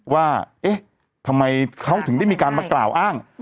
ว่าเอ๊ะทำไมเขาถึงได้มีการมากล่าวอ้าง